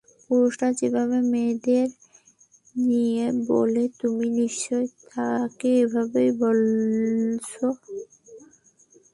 পুরুষরা যেভাবে মেয়েদেরকে নিয়ে বলে তুমিও নিশ্চয়ই তাকে এভাবেই বলেছো।